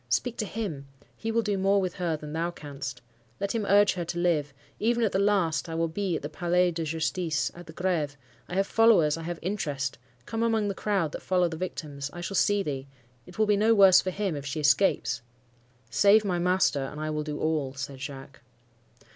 Speak to him; he will do more with her than thou canst. Let him urge her to live. Even at the last, I will be at the Palais de Justice,—at the Greve. I have followers,—I have interest. Come among the crowd that follow the victims,—I shall see thee. It will be no worse for him, if she escapes'— "'Save my master, and I will do all,' said Jacques.